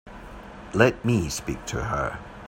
Let me speak to her.